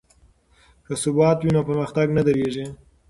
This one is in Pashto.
که ثبات وي نو پرمختګ نه دریږي.